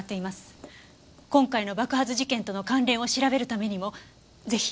今回の爆発事件との関連を調べるためにもぜひ。